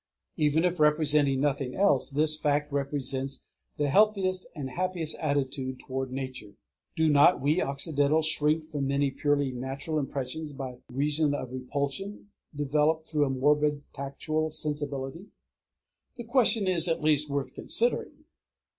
Even if representing nothing else, this fact represents the healthiest and happiest attitude toward Nature. Do not we Occidentals shrink from many purely natural impressions by reason of repulsion developed through a morbid tactual sensibility? The question is at least worth considering.